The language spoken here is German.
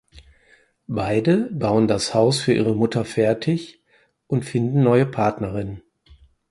Beide bauen das Haus für ihre Mutter fertig und finden neue Partnerinnen.